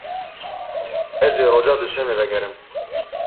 Ez ê roja duşemê vegerim.